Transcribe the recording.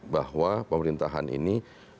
bahwa pemerintahan ini